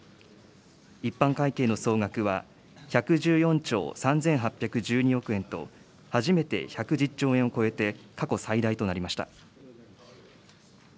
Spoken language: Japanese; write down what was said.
一般会計の総額は１１４兆３８１２億円と、初めて１１０兆円を超えて、過去最大となりました。